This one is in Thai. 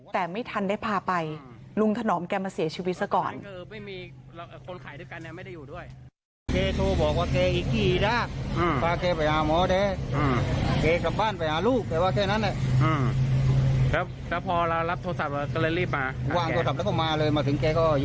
แต่ไม่ทันได้พาไปลุงถนอมแกมาเสียชีวิตซะก่อน